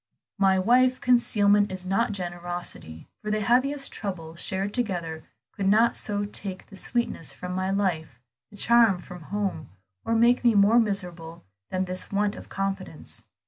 "My wife, concealment is not generosity, for the heaviest trouble shared together could not so take the sweetness from my life, the charm from home, or make me more miserable than this want of confidence.